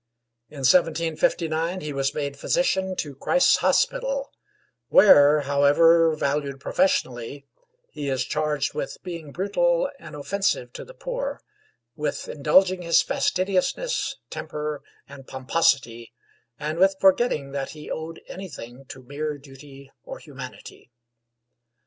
In 1759 he was made physician to Christ's Hospital, where, however valued professionally, he is charged with being brutal and offensive to the poor; with indulging his fastidiousness, temper, and pomposity, and with forgetting that he owed anything to mere duty or humanity.